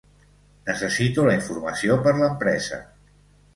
Necessito la informació per l'empresa.